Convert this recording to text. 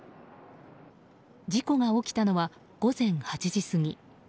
事故が起きたのは午前８時過ぎ。